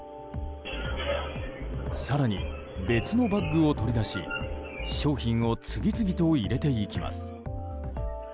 更に、別のバッグを取り出し商品を次々と入れていきます。